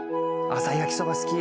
朝焼きそば好き。